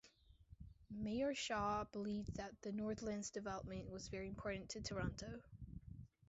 Mayor Shaw believed that the northland's development was very important to Toronto.